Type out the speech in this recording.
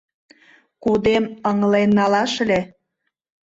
Кодем ыҥлен налаш ыле?